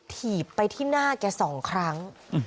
ถีบไปที่หน้าแกสองครั้ง